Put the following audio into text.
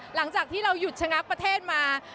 หลังจากที่เราหยุดชะงักประเทศมา